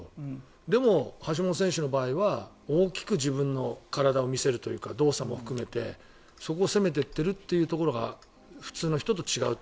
でも橋本選手の場合は大きく自分の体を見せるというか動作を含めてそこを攻めていっているところが普通の人と違うと。